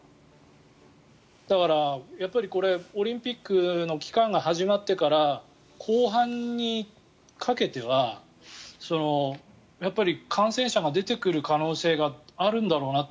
だから、これはオリンピックの期間が始まってから後半にかけてはやっぱり感染者が出てくる可能性があるんだろうだなって